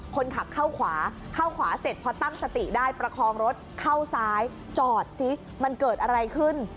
คนขับเข้าขวาเข้าขวาเสร็จพอตั้งสติได้ประคองรถเข้าซ้ายจอดสิมันเกิดอะไรขึ้น